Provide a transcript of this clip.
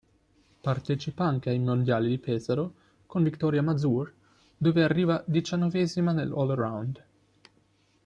Partecipa anche ai Mondiali di Pesaro, con Viktoria Mazur, dove arriva diciannovesima nell'all-around.